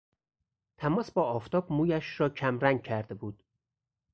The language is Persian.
تماس با آفتاب مویش را کمرنگ کرده بود.